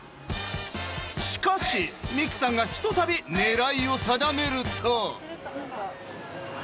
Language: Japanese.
しかし美紅さんが一たび狙いを定めると。